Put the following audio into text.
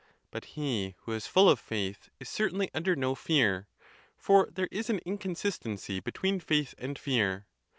But he who is full of faith is certainly un der no fear; for there is an inconsistency between faith and fear.